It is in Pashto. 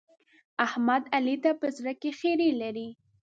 احمد؛ علي ته په زړه کې خيری لري.